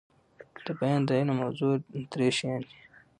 دبیان د علم موضوع درې شيان دي.